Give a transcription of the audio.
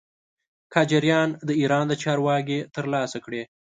قاجاریان د ایران د چارو واګې تر لاسه کړې.